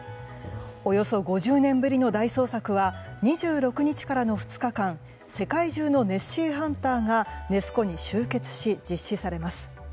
およそ５０年ぶりの大捜索は２６日からの２日間世界中のネッシーハンターがネス湖に集結し実施されます。